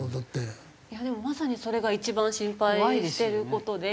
いやでもまさにそれが一番心配してる事で。